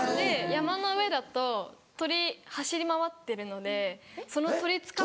山の上だと鳥走り回ってるのでその鳥捕まえ。